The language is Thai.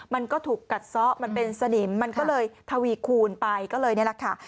มันก็ถูกกัดซ้อมันเป็นสนิมมันก็เลยทวีคูณไปก็เลยนี่แหละค่ะ